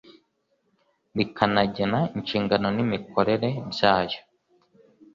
rikanagena inshingano n imikorere byayo